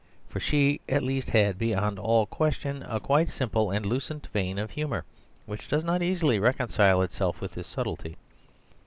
For she at least had, beyond all question, a quite simple and lucent vein of humour, which does not easily reconcile itself with this subtlety.